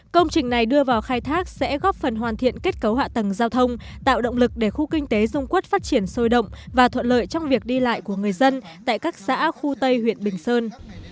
công trình này đưa vào khai thác sẽ góp phần hoàn thiện kết cấu hạ tầng giao thông tạo động lực để khu kinh tế dung quốc phát triển sôi động và thuận lợi trong việc đi lại của người dân tại các xã khu tây huyện bình sơn